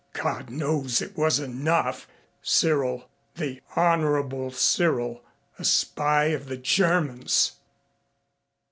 God knows it was enough! Cyril the Honorable Cyril a spy of the Germans!